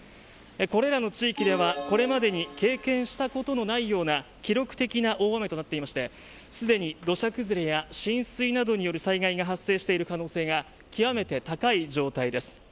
これらの地域では、これまでに経験したことのないような記録的な大雨となっていましてすでに土砂崩れや浸水などによる災害が発生している可能性が極めて高い状態です。